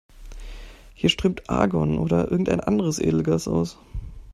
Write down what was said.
Hier strömt Argon oder irgendein anderes Edelgas aus.